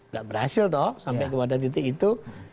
gak berhasil toh sampai ke pada titik itu